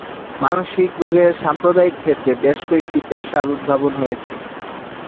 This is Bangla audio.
মানসিক রোগের সাম্প্রদায়িক ক্ষেত্রে বেশ কয়েকটি পেশার উদ্ভাবন হয়েছে।